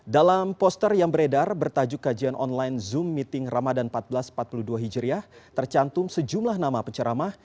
dalam poster yang beredar bertajuk kajian online zoom meeting ramadan seribu empat ratus empat puluh dua hijriah tercantum sejumlah nama penceramah